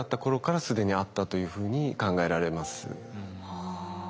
はあ。